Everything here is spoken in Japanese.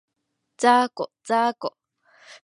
ざーこ、ざーこ